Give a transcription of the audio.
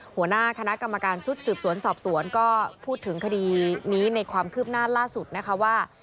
หัวหน้าคณะกรรมการชุดสืบสวนสอบสวนก็พูดถึงคดีนี้ในความคืบหน้าล่าสุดนะคะว่า